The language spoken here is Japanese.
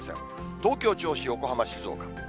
東京、銚子、横浜、静岡。